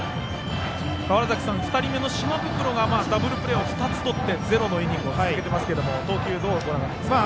川原崎さん、２人目の島袋がダブルプレーを２つとってゼロのイニングを続けていますが投球どうご覧になっていますか。